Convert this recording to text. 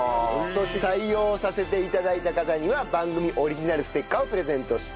そして採用させて頂いた方には番組オリジナルステッカーをプレゼントしています。